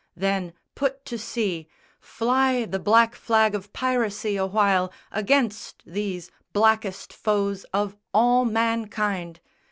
Then put to sea, Fly the black flag of piracy awhile Against these blackest foes of all mankind.